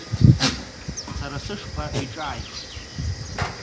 Сара сышҟа иҿааихеит.